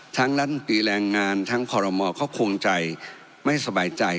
รัฐมนตรีแรงงานทั้งคอรมอก็คงใจไม่สบายใจ